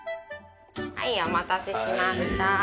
はいお待たせしました。